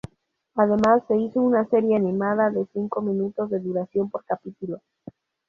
Además se hizo una serie animada de cinco minutos de duración por capítulo.